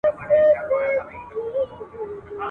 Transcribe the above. نه یې مرستي ته دوستان سوای رسېدلای ..